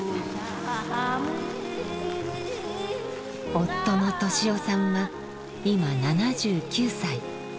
夫の利雄さんは今７９歳。